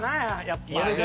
やっぱり。